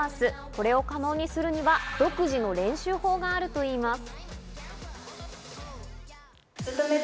これを可能にするのには、独自の練習法があるといいます。